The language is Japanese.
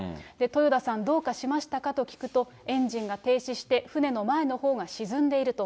豊田さん、どうかしましたか？と聞くと、エンジンが停止して、船の前のほうが沈んでいると。